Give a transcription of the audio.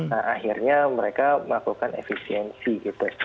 nah akhirnya mereka melakukan efisiensi gitu